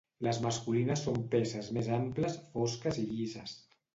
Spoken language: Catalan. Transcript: Les masculines són peces més amples, fosques i llises.